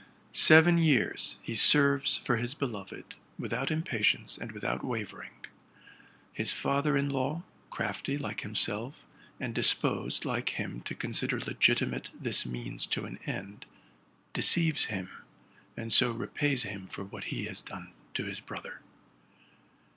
Seven years he serves for his beloved, without impatience and without wavering. His father in law, crafty like him self, and disposed, like him, to consider legitimate this means to an end, deceives him, and so repays him for what he has done to his brother.